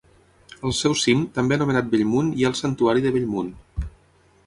Al seu cim, també anomenat Bellmunt hi ha el santuari de Bellmunt.